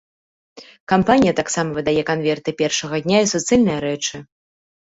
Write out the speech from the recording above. Кампанія таксама выдае канверты першага дня і суцэльныя рэчы.